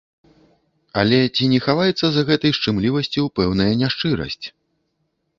Але ці не хаваецца за гэтай шчымлівасцю пэўная няшчырасць?